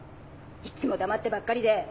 いつも黙ってばっかりで！